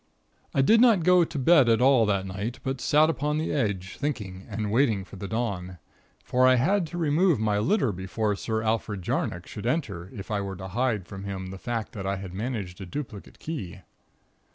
"I did not go to bed at all that night, but sat upon the edge, thinking, and waiting for the dawn; for I had to remove my litter before Sir Alfred Jarnock should enter, if I were to hide from him the fact that I had managed a duplicate key.